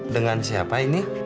dengan siapa ini